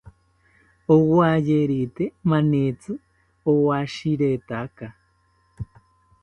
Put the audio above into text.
Owayerite manitzi owashiretaka